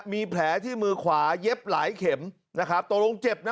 มีแผลที่มือขวาเย็บหลายเข็มนะครับตกลงเจ็บนะ